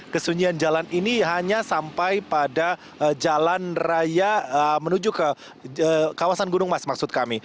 kesunyian jalan ini hanya sampai pada jalan raya menuju ke